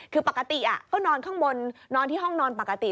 คือปกติก็นอนข้างบนนอนที่ห้องนอนปกติ